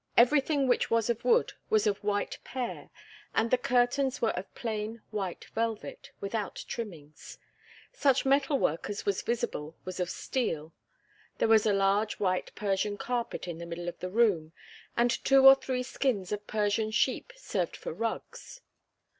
Everything which was of wood was of white pear, and the curtains were of plain white velvet, without trimmings. Such metal work as was visible was of steel. There was a large white Persian carpet in the middle of the room, and two or three skins of Persian sheep served for rugs.